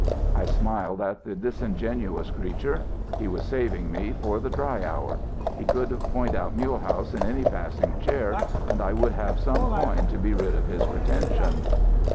"I smiled at the disingenuous creature. He was saving me for the dry hour. He could point out Mulehaus in any passing chair, and I would give some coin to be rid of his pretension."